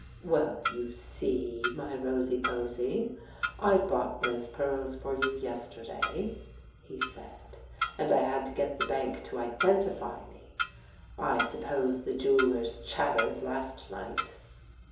"Well, you see, ny Rosie Posy, I bought those pearls for you yesterday," he said, "and I had to get the bank to identify me; I suppose the jewel lers chattered last night."